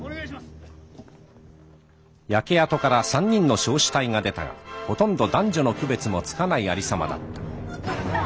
焼け跡から３人の焼死体が出たがほとんど男女の区別もつかないありさまだった。